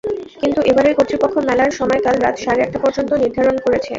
কিন্তু এবারই কর্তৃপক্ষ মেলার সময়কাল রাত সাড়ে আটটা পর্যন্ত নির্ধারণ করেছে।